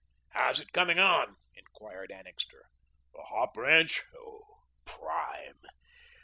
"How's it coming on?" inquired Annixter. "The hop ranch? Prime.